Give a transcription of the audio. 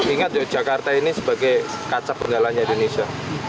ingat jakarta ini sebagai kaca penggalannya indonesia